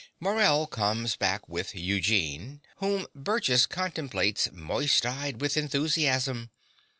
Morell comes back with Eugene, whom Burgess contemplates moist eyed with enthusiasm.